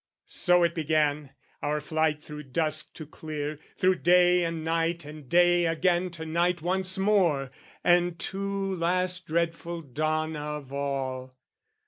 So it began, our flight thro' dusk to clear, Through day and night and day again to night Once more, and to last dreadful dawn of all.